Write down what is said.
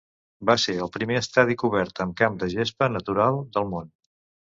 Va ser el primer estadi cobert amb camp de gesta natural del món.